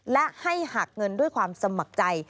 และให้หักเงินด้วยความสมัครใจ